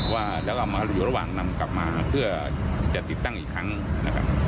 ว่าแล้วก็มาอยู่ระหว่างนำกลับมาเพื่อจะติดตั้งอีกครั้งนะครับ